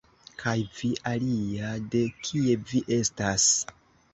Kaj vi, alia, de kie vi estas?